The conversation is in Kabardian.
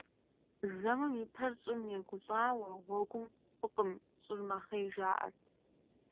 Жэмым и пэр щӀым егулӀауэ гъуэгым, фӀыкъым, щӀыр мэхъей, жаӀэрт.